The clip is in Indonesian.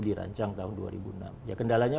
dirancang tahun dua ribu enam ya kendalanya